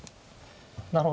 なるほど。